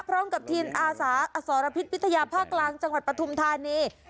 พร้อมกับทีมอาสาอสรพิษวิทยาภาคกลางจังหวัดปฐุมธานี